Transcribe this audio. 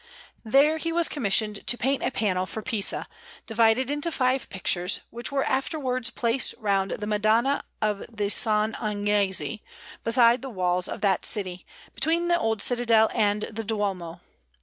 There he was commissioned to paint a panel for Pisa, divided into five pictures, which were afterwards placed round the Madonna of S. Agnese, beside the walls of that city, between the old Citadel and the Duomo.